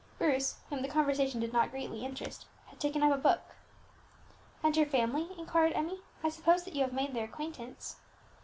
Bruce, whom the conversation did not greatly interest, had taken up a book. "And her family?" inquired Emmie; "I suppose that you have made their acquaintance."